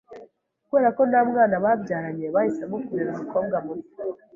Kubera ko nta mwana babyaranye, bahisemo kurera umukobwa muto.